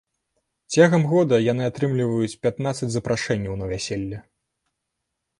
Цягам года яны атрымліваюць пятнаццаць запрашэнняў на вяселле.